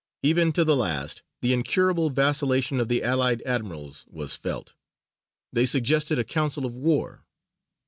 Even to the last the incurable vacillation of the allied admirals was felt: they suggested a council of war.